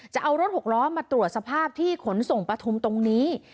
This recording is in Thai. จะเอารถหกล้อมาตรวจสภาพที่ขนส่งปฐุมตรงนี้